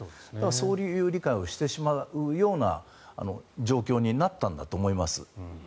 そういう理解をしてしまうような状況になったんだと思います。